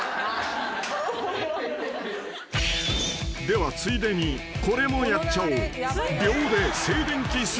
［ではついでにこれもやっちゃおう］